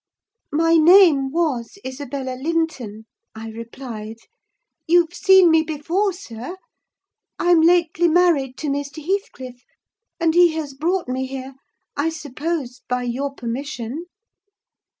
"My name was Isabella Linton," I replied. "You've seen me before, sir. I'm lately married to Mr. Heathcliff, and he has brought me here—I suppose by your permission."